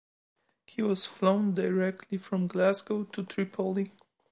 He was flown directly from Glasgow to Tripoli.